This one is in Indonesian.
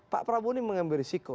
pak prabowo ini mengambil risiko